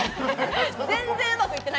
全然うまくいってない。